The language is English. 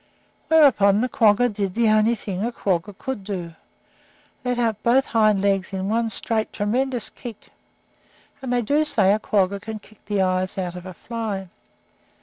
Whereupon the quagga did the only thing a quagga could do let out both hind legs in one straight, tremendous kick; and they do say that a quagga can kick the eyes out of a fly.